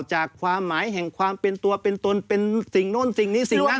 ความหมายแห่งความเป็นตัวเป็นตนเป็นสิ่งโน้นสิ่งนี้สิ่งนั้น